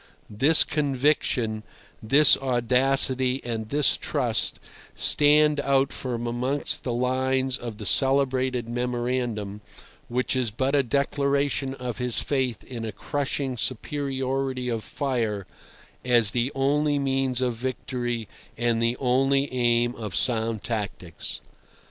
This conviction, this audacity and this trust stand out from amongst the lines of the celebrated memorandum, which is but a declaration of his faith in a crushing superiority of fire as the only means of victory and the only aim of sound tactics.